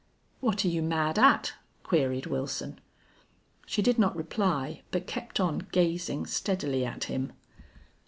"What're you mad at?" queried Wilson. She did not reply, but kept on gazing steadily at him.